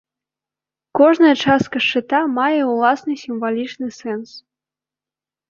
Кожная частка шчыта мае ўласны сімвалічны сэнс.